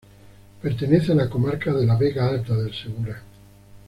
Pertenece a la comarca de la Vega Alta del Segura.